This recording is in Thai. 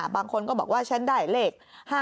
บางคนก็บอกว่าฉันได้เลข๕๗